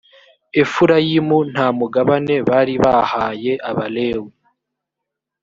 efurayimu nta mugabane bari bahaye abalewi